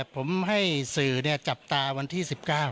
ผมให้สื่อจับตาวันที่๑๙